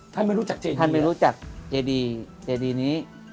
ท่านไม่รู้จักเจดีนี้ท่านไม่รู้จักเจดีนี้